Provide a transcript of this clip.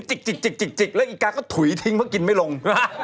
จิกแล้วอีกาก็ถุยทิ้งเพราะกินไม่ลง